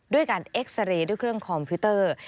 ด้วยการเอ็กซาเรย์ด้วยเครื่องคอมพิวเตอร์